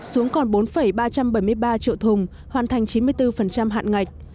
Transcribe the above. xuống còn bốn ba trăm bảy mươi ba triệu thùng hoàn thành chín mươi bốn hạn ngạch